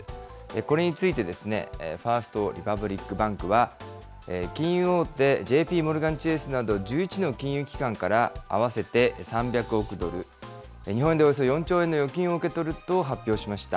これについてファースト・リパブリック・バンクは、金融大手、ＪＰモルガン・チェースなど、１１の金融機関から合わせて３００億ドル、日本円でおよそ４兆円の預金を受け取ると発表しました。